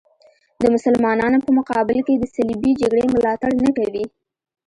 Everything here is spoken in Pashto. د مسلمانانو په مقابل کې د صلیبي جګړې ملاتړ نه کوي.